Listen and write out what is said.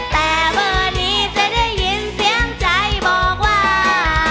แต่เบอร์นี้จะได้ยินเสียงใจบอกว่า